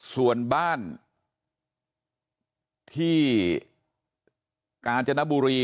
ส่วนบ้านที่กาญจนบุรี